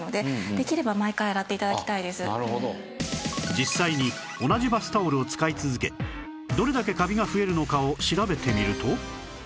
実際に同じバスタオルを使い続けどれだけカビが増えるのかを調べてみると